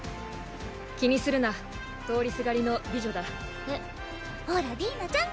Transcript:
気にするな通りすがりの美女だえっほらディーナちゃん